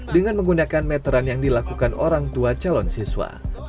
dengan menggunakan meteran yang dilakukan orang tua calon siswa